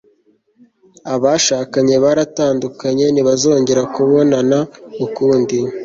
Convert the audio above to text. abashakanye baratandukanye, ntibazongera kubonana ukundi